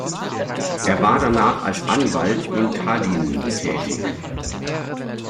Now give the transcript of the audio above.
Er war danach als Anwalt in Tallinn tätig.